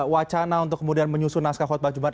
wacana untuk kemudian menyusun naskah khutbah jumat